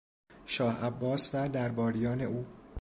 شاه عباس و درباریان او